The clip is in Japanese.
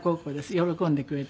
喜んでくれて。